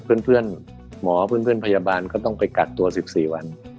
เพื่อนหมอเพื่อนพยาบาลก็ต้องไปกักตัว๑๔วัน